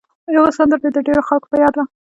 یوه سندره یې د ډېرو خلکو په یاد وه.